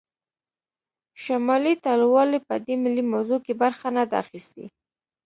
شمالي ټلوالې په دې ملي موضوع کې برخه نه ده اخیستې